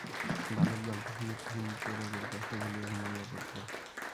বালক গল্প শুনিতে শুনিতে রোগের কষ্ট ভুলিয়া ঘুমাইয়া পড়িল।